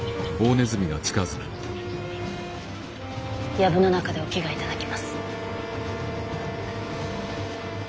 やぶの中でお着替えいただきます。